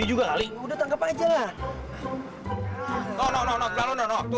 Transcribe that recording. udah tangkap aja lah